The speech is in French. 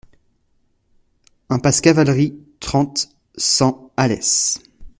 Impasse Cavalerie, trente, cent Alès